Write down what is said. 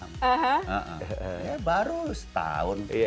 iya baru setahun